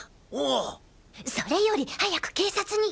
それより早く警察に！